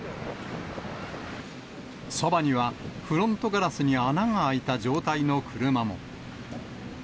そばには、フロントガラスに穴が開いた状態の車も。